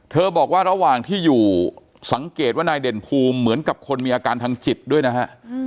บอกว่าระหว่างที่อยู่สังเกตว่านายเด่นภูมิเหมือนกับคนมีอาการทางจิตด้วยนะฮะ